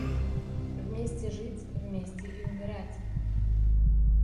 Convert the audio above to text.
Вместе жить, вместе и умирать.